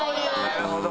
なるほど。